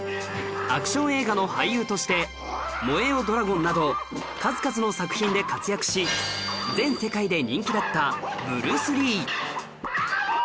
アクション映画の俳優として『燃えよドラゴン』など数々の作品で活躍し全世界で人気だったブルース・リー